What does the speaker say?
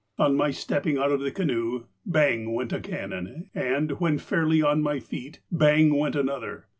On my stepping out of the canoe, bang went a cannon, and, when fairly on my feet, bang, went an other.